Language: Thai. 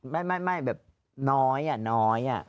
ไม่แบบน้อยอ่ะน้อย